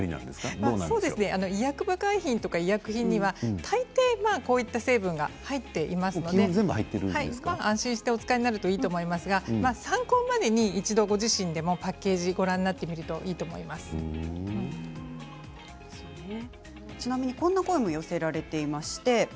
医薬部外品や医薬品には大抵こういった成分が入っていますので安心して、お使いになるといいと思いますが参考までに一度ご自身でもパッケージをご覧になってみるとこんな声も寄せられています。